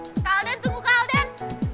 kak alden tunggu kak alden